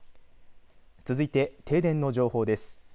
続いて停電の情報です。